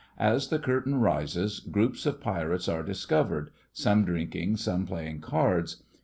As the curtain rises groups of pirates are discovered — some drinking, some playing cards.